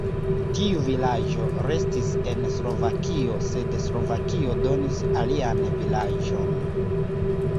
Tiu vilaĝo restis en Slovakio, sed Slovakio donis alian vilaĝon.